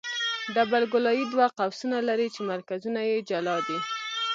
ډبل ګولایي دوه قوسونه لري چې مرکزونه یې جلا دي